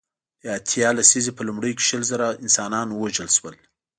د اتیا لسیزې په لومړیو کې شل زره انسانان ووژل شول.